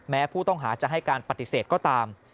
แม้ผู้ต้องหาจะให้การปฏิเสธก็ตาม